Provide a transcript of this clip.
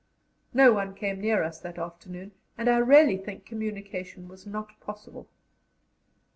No one came near us that afternoon, and I really think communication was not possible.